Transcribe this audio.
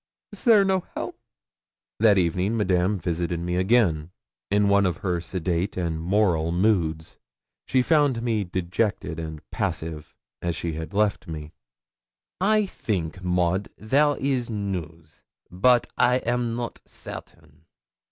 Is there no help?' That evening Madame visited me again, in one of her sedate and moral moods. She found me dejected and passive, as she had left me. 'I think, Maud, there is news; but I am not certain.'